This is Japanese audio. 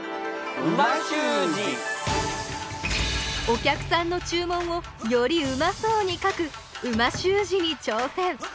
お客さんの注文をよりうまそうに書く美味しゅう字にちょうせん！